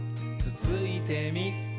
つついてみ？」